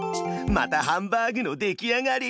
またハンバーグのできあがり！